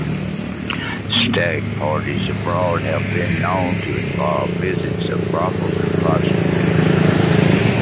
Stag parties abroad have been known to involve visits to brothels and prostitutes.